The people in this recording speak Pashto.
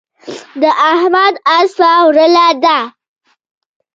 د احمد اسپه ورله ده.